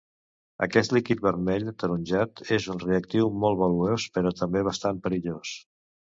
Aquest líquid vermell ataronjat és un reactiu molt valuós, però també bastant perillós.